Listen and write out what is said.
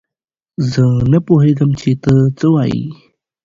زه نه پوهېږم چې تۀ څۀ وايي.